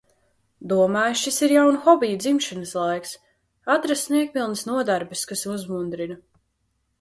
Domāju – šis ir jaunu hobiju dzimšanas laiks. Atrast niekpilnas nodarbes, kas uzmundrina.